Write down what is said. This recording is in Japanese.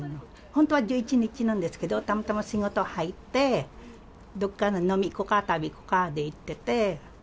本当は１１日なんですけど、たまたま仕事入って、どっかに飲み行こうか、食べに行こうかって言ってて。